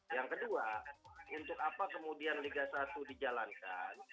yang kedua untuk apa kemudian liga satu dijalankan